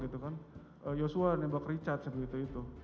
yosua nembak richard seperti itu